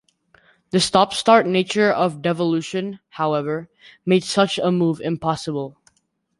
The stop-start nature of devolution, however, made such a move impossible.